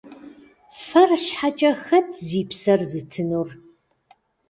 Фэр щхьэкӀэ хэт зи псэр зытынур?